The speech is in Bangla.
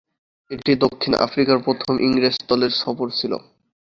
এটিই দক্ষিণ আফ্রিকায় প্রথম ইংরেজ দলের সফর ছিল।